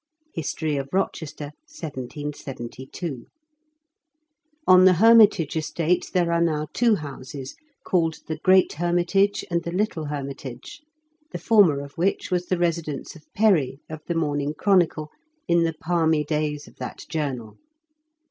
— History of Rochester y 1772. On the Hermitage estate there are now two houses, called The Great Hermitage and The Little Hermitage, the former of which was the residence of Perry, of the Morning Chronicle^ in the palmy days of that journal.